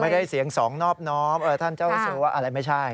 ไม่ได้เสียงสองนอบนอบท่านเจ้าอาจารย์ว่าอะไรไม่ใช่